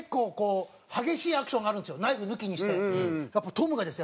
トムがですね